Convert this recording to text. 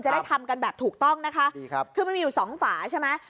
จะได้ทำกันแบบถูกต้องนะคะคือมันมีอยู่๒ฝาใช่ไหม